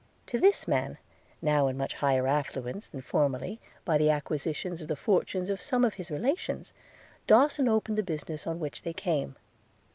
To this man, now in much higher affluence than formerly, by the acquisitions of the fortunes of some of his relations, Dawson opened the business on which they came.